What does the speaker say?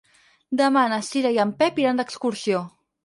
Demà na Cira i en Pep iran d'excursió.